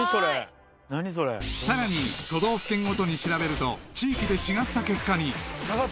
［さらに都道府県ごとに調べると地域で違った結果に］